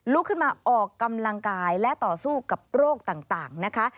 ลุกขึ้นมาออกกำลังกายและต่อสู้กับโรคต่างนะคะ